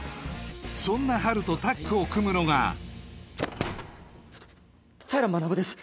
そんなハルとタッグを組むのが平学です